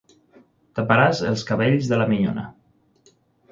Taparàs els cabells de la minyona.